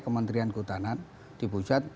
kementerian ketahanan di pusat